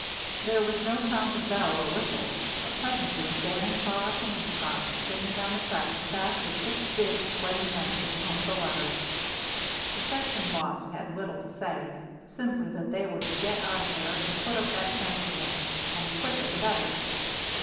There was no sound of bell or whistle, but presently Bannon saw a hand car spinning down the track as fast as six big, sweating men could pump the levers. The section boss had little to say; simply that they were to get out of there and put up that fence again, and the quicker the better.